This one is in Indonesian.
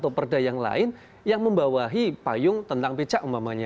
atau perda yang lain yang membawahi payung tentang becak umpamanya